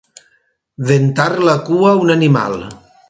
Ventar la cua un animal.